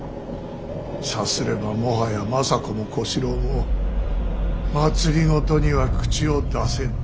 さすればもはや政子も小四郎も政には口を出せぬ。